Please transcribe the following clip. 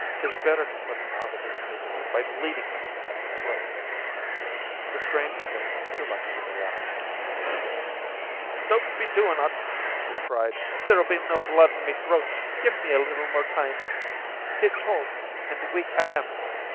"'Tis better to put him out iv his misery by bleedin' him at the throat." The strain had been too much for the lad. "Don't be doin' ut," he cried. "There'll be no blood in me throat. Give me a little time. 'Tis cold an' weak I am.